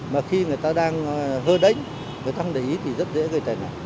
mà khi người ta đang hơi đánh người ta không để ý thì rất dễ gây tài năng